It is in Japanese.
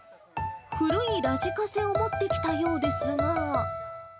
古いラジカセを持ってきたようですが。